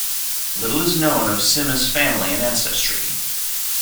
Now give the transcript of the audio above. Little is known of Sima's family and ancestry.